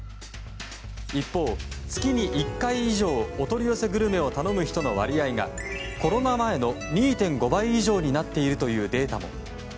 一方、月に１回以上お取り寄せグルメを頼む人の割合がコロナ前の２．５倍以上になっているというデータも。